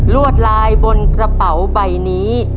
วดลายบนกระเป๋าใบนี้